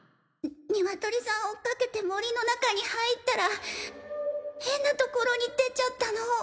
ニワトリさんを追っかけて森の中に入ったら変な所に出ちゃったの。